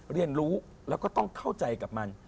เรียนรู้แล้วก็ต้องเข้าใจกับมัน